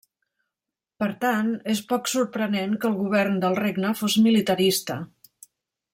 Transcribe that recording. Per tant, és poc sorprenent que el govern del regne fos militarista.